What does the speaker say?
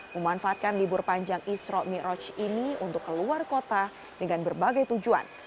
memanfaatkan libur panjang isro miroj ini untuk keluar kota dengan berbagai tujuan